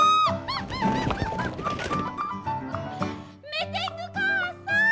「メテングかあさん」